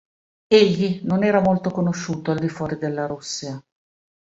Egli non era molto conosciuto al di fuori della Russia.